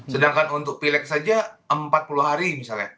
sedangkan untuk pilek saja empat puluh hari misalnya